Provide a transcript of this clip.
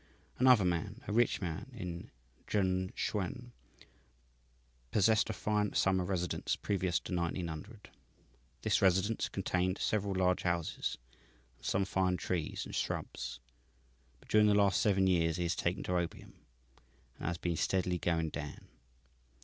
"Another man, a rich man in Jen Tsuen, possessed a fine summer residence previous to 1900. This residence contained several large houses and some fine trees and shrubs, but during the last seven years he has taken to opium and has been steadily going down.